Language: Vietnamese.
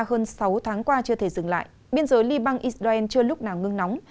hơn sáu tháng qua chưa thể dừng lại biên giới liban israel chưa lúc nào ngưng nóng